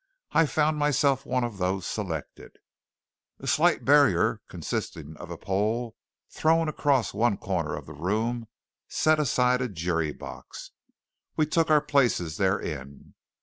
I found myself one of those selected. A slight barrier consisting of a pole thrown across one corner of the room set aside a jury box. We took our places therein.